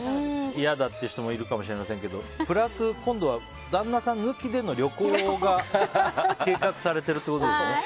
嫌だって人もいるかもしれませんけどプラスで今度は旦那さん抜きでの旅行が計画されてるってことですね。